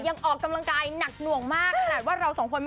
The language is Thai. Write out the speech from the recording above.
ยังออกกำลังกายหนักหน่วงมาก